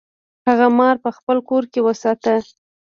هغه مار په خپل کور کې وساته.